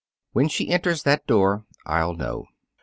When she enters that door, I'll know."